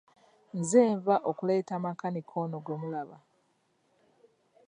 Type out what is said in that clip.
Nze nva okuleeta makanika ono gwe mulaba!